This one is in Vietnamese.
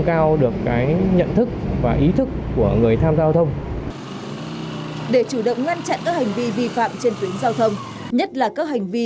trên tuyến giao thông nhất là các hành vi